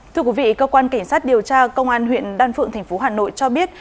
thưa quý vị cơ quan cảnh sát điều tra công an huyện đan phượng tp hà nội cho biết